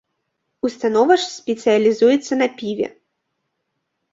Установа ж спецыялізуецца на піве.